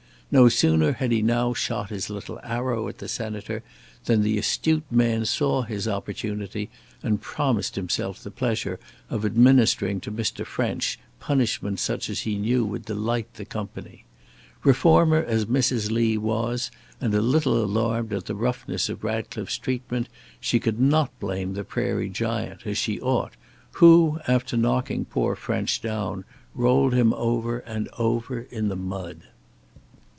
No sooner had he now shot his little arrow at the Senator, than that astute man saw his opportunity, and promised himself the pleasure of administering to Mr. French punishment such as he knew would delight the company. Reformer as Mrs. Lee was, and a little alarmed at the roughness of Ratcliffe's treatment, she could not blame the Prairie Giant, as she ought, who, after knocking poor French down, rolled him over and over in the mud.